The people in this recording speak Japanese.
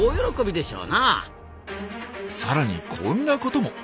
さらにこんなことも。